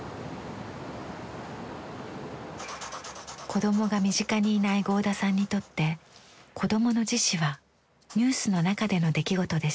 子供が身近にいない合田さんにとって子供の自死はニュースの中での出来事でした。